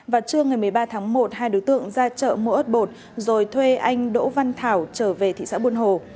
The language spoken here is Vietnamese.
và trưa ngày một mươi ba tháng một hai đối tượng ra chợ mua ớt bột rồi thuê anh đỗ văn thảo trở về thị xã buôn hồ